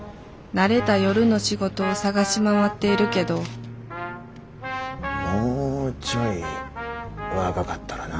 慣れた夜の仕事を探し回っているけどもうちょい若かったらな。